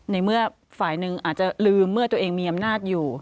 ในเมื่อฝ่ายหนึ่งอาจจะลืมเมื่อตัวเองมีอำนาจอยู่